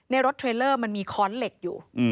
รถเทรลเลอร์มันมีค้อนเหล็กอยู่